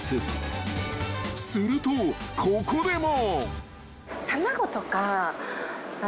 ［するとここでも］